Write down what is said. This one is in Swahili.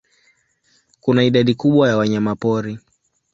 Kuna idadi kubwa ya wanyamapori.